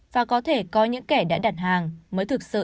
và có thể có những kẻ đã đặt hàng mới thực sự